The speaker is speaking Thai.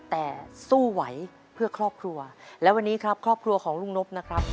แต่สู้ไหวเพื่อครอบครัวและวันนี้ครับครอบครัวของลุงนบนะครับ